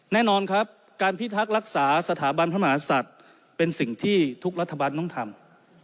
แน่นอนครับการพิทักษ์รักษาสถาบันพระมหาศัตริย์เป็นสิ่งที่ทุกรัฐบาลต้องทำ